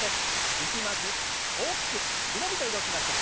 力まず大きく伸び伸びと動きましょう。